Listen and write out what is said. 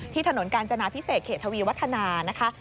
ถนนกาญจนาพิเศษเขตทวีวัฒนานะคะ